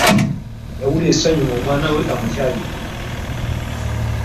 Yawulira essanyu nga omwana we amukyaliddeko ewuwe.